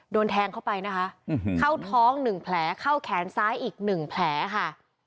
โดนแทงเข้าไปนะคะเข้าท้อง๑แผลเข้าแขนซ้ายอีก๑แผลค่ะ